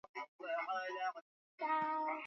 Bunge la Afrika Mashariki na kamati za kisekta